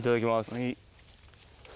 はい。